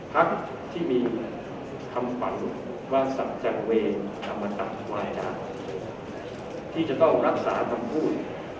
พักษมณ์ที่มีคำฝันว่าศักดิ์จังเวรอมตักวายดาที่จะต้องรักษาคำพูด